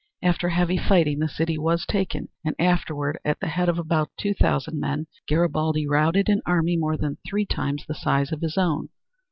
After heavy fighting the city was taken, and afterward at the head of about two thousand men, Garibaldi routed an army more than three times the size of his own.